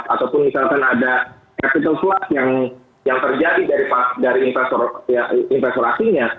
ataupun misalkan ada capital slot yang terjadi dari investor asingnya